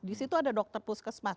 di situ ada dokter puskesmas